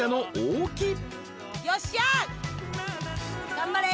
頑張れ。